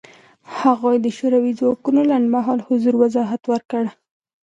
هغه د شوروي ځواکونو لنډمهاله حضور وضاحت ورکړ.